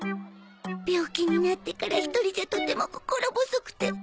病気になってから１人じゃとても心細くて。